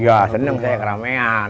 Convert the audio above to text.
ya senang saya kerasa ramean